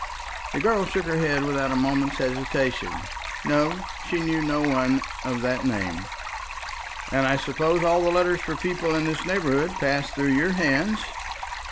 The girl shook her head without a moment's hesitation. No, she knew no one of that name. "And I suppose all the letters for people in this neighbourhood pass through your hands?"